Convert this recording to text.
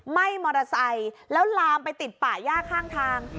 ไหม้มอเตอร์ไซค์แล้วลามไปติดป่าย่าข้างทาง